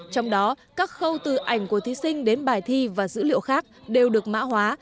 trong đó các khâu từ ảnh của thí sinh đến bài thi và dữ liệu khác đều được mã hóa